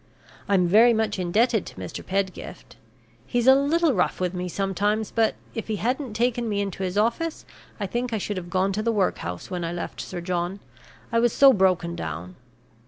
I'm very much indebted to Mr. Pedgift; he's a little rough with me sometimes, but, if he hadn't taken me into his office, I think I should have gone to the workhouse when I left Sir John, I was so broken down."